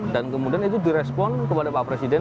dan kemudian itu direspon kepada pak presiden